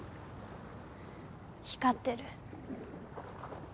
光ってる。